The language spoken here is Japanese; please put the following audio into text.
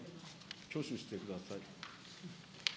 挙手してください。